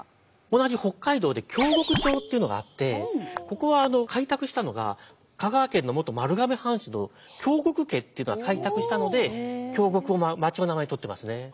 同じ北海道で京極町っていうのがあってここは開拓したのが香川県の元丸亀藩主の京極家っていうのが開拓したので京極を町の名前に取ってますね。